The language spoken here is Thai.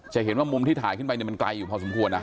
จะเห็นว่ามุมที่ถ่ายขึ้นไปมันไกลอยู่พอสมควรนะ